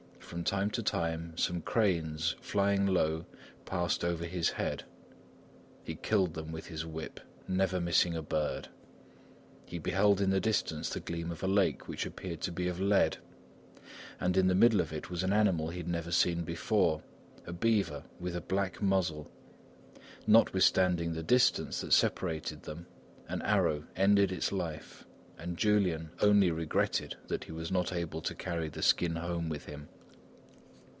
From time to time, some cranes, flying low, passed over his head. He killed them with his whip, never missing a bird. He beheld in the distance the gleam of a lake which appeared to be of lead, and in the middle of it was an animal he had never seen before, a beaver with a black muzzle. Notwithstanding the distance that separated them, an arrow ended its life and Julian only regretted that he was not able to carry the skin home with him.